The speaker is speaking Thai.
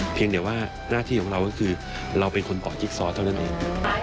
เพียงแต่ว่าหน้าที่ของเราก็คือเราเป็นคนต่อจิ๊กซอเท่านั้นเอง